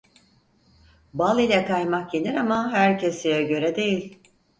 Bal ile kaymak yenir ama her keseye göre değil.